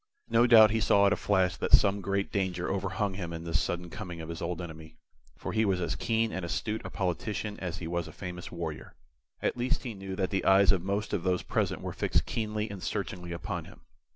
No doubt he saw at a flash that some great danger overhung him in this sudden coming of his old enemy, for he was as keen and as astute a politician as he was a famous warrior. At least he knew that the eyes of most of those present were fixed keenly and searchingly upon him.